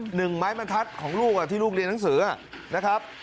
หนึ่งไม้มะทัดของลูกอ่ะที่ลูกเรียนหนังสืออ่ะนะครับ